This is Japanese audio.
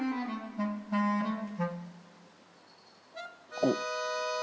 おっ。